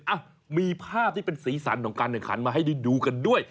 อ่ะมีภาพที่เป็นสีสันของการแข่งขันมาให้ได้ดูกันด้วย